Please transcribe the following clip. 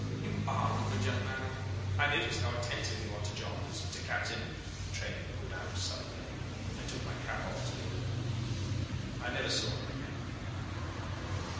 'You are a good young man; I noticed how attentive you are to John to Captain ' The train pulled out suddenly; I took my cap off to the old woman: I never saw her again...